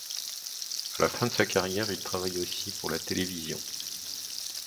À la fin de sa carrière il travaille aussi pour la télévision.